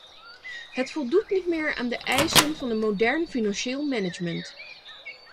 Het voldoet niet meer aan de eisen van een modern financieel management.